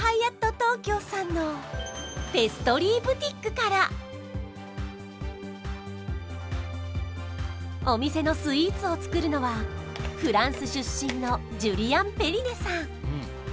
東京さんのペストリーブティックからお店のスイーツを作るのはフランス出身のジュリアン・ペリネさん